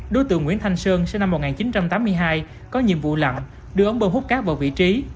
đối tượng nguyễn thanh sơn sinh năm một nghìn chín trăm tám mươi hai có nhiệm vụ lặng đưa ống bơm hút cát vào vị trí